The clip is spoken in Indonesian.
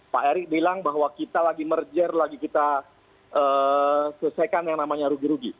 pak erick bilang bahwa kita lagi merger lagi kita selesaikan yang namanya rugi rugi